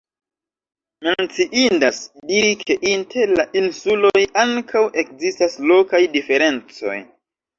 Menciindas diri ke inter la insuloj ankaŭ ekzistas lokaj diferencoj.